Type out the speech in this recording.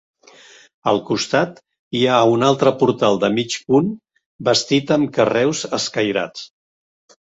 Al costat hi ha un altre portal de mig punt bastit amb carreus escairats.